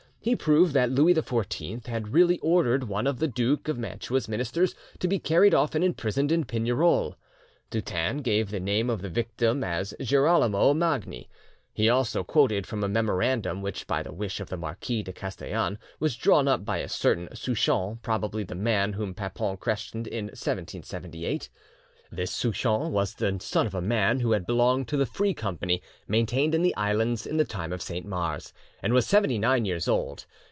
He proved that Louis XIV had really ordered one of the Duke of Mantua's ministers to be carried off and imprisoned in Pignerol. Dutens gave the name of the victim as Girolamo Magni. He also quoted from a memorandum which by the wish of the Marquis de Castellane was drawn up by a certain Souchon, probably the man whom Papon questioned in 1778. This Souchon was the son of a man who had belonged to the Free Company maintained in the islands in the time of Saint Mars, and was seventy nine years old.